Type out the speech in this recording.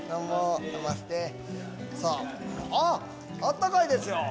さぁあっあったかいですよ！